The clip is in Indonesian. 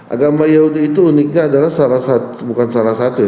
agama yahudi itu uniknya adalah bukan salah satu ya